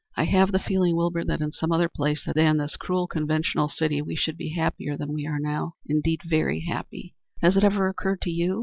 I have the feeling, Wilbur, that in some other place than this cruel, conventional city we should be happier than we are now indeed, very happy. Has it ever occurred to you?